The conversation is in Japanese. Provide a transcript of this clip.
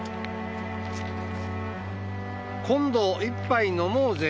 「今度一杯飲もうぜ」